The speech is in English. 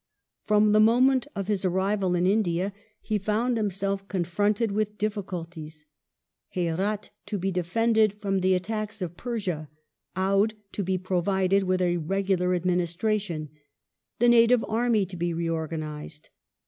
From the moment of his arrival in India he found himself confronted with difficulties : Herat to be again defended from the attacks of Persia ; Oudh to be provided with a regular administration ; the native army to be reorganized.